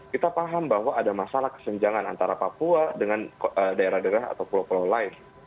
kita paham bahwa ada masalah kesenjangan antara papua dengan daerah daerah atau pulau pulau lain